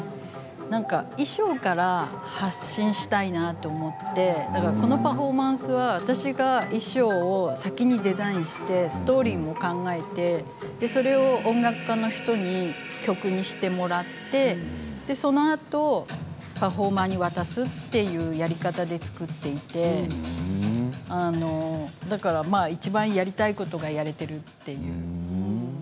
なんか衣装から発信したいなと思ってこのパフォーマンスは私が衣装を先にデザインしてストーリーも考えてそれを音楽家の人に曲にしてもらってそのあとパフォーマーに渡すというやり方で作っていてだから、いちばんやりたいことをやれているという。